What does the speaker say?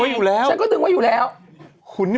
ดื่มน้ำก่อนสักนิดใช่ไหมคะคุณพี่